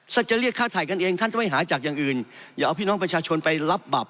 และจะเรียกค่าไทยกันเอนที่ไม่หาจักยังอื่นอย่าพี่น้องประชาชนไปรับบาป